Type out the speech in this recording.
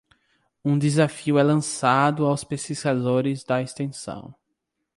Um desafio é lançado aos pesquisadores da extensão.